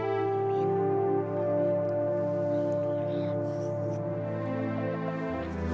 kira kira bapakmu mau daya ketemu kita